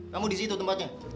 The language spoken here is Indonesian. kamu di situ tempatnya